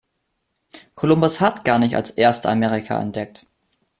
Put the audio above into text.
Columbus hat gar nicht als erster Amerika entdeckt.